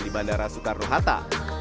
di bandara soekarno hatta